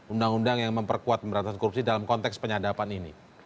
undang undang yang memperkuat pemberantasan korupsi dalam konteks penyadapan ini